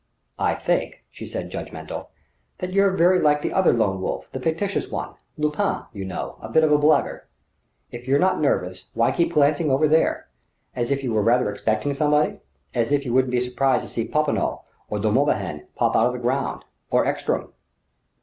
"I think," she said, judgmatical, "that you're very like the other lone wolf, the fictitious one Lupin, you know a bit of a blagueur. If you're not nervous, why keep glancing over there? as if you were rather expecting somebody as if you wouldn't be surprised to see Popinot or De Morbihan pop out of the ground or Ekstrom!"